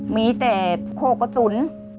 มีแต่โคกระจุน